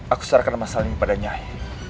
aku sarankan masalah ini pada nyai